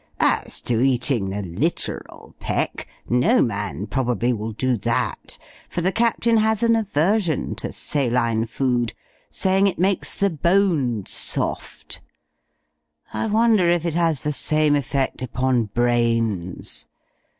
as to eating the literal peck, no man, probably, will do that; for the Captain has an aversion to saline food, saying it makes the bones soft. I wonder if it has the same effect upon brains!